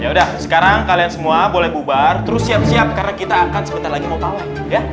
yaudah sekarang kalian semua boleh bubar terus siap siap karena kita akan sebentar lagi mau pawain ya